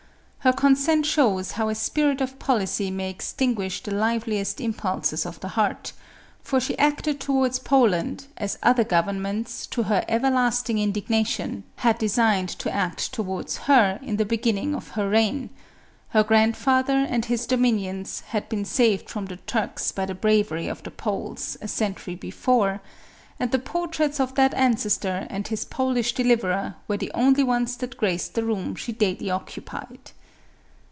Her consent shows how a spirit of policy may extinguish the liveliest im pulses of the heart ; for she acted towards Poland as other governments, to her everlasting indignation, had designed to act towards her, in the beginning of her reign; her grandfather and his dominions had been saved from the Turks by the bravery of the Poles, a century before ; and the portraits of that ancestor and his Polish deliverer, were the only ones that graced the room she daily occupied.